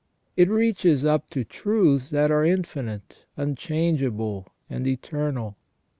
It reaches up to truths that are infinite, unchange able, and eternal.